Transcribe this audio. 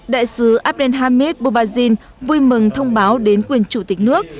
đại sứ abdelhamid boubazine vui mừng thông báo đến quyền chủ tịch nước